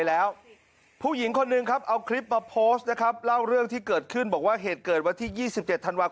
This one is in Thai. ดูมันดึงพ่อเขาสิโอ้โห